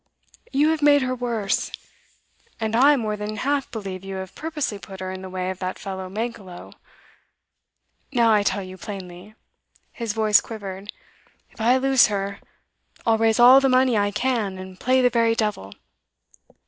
'You have made her worse. And I more than half believe you have purposely put her in the way of that fellow Mankelow. Now I tell you plainly' his voice quivered 'if I lose her, I'll raise all the money I can and play the very devil.